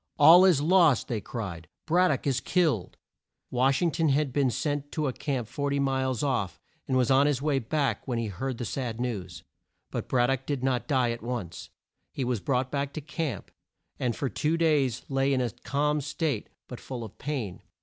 "All is lost!" they cried. "Brad dock is killed!" Wash ing ton had been sent to a camp 40 miles off, and was on his way back when he heard the sad news. But Brad dock did not die at once. He was brought back to camp, and for two days lay in a calm state but full of pain.